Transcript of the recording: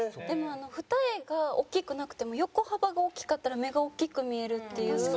でも二重が大きくなくても横幅が大きかったら目が大きく見えるっていう。